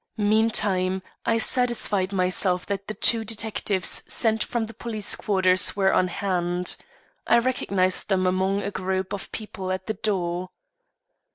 Meantime, I satisfied myself that the two detectives sent from police headquarters were on hand. I recognized them among a group of people at the door.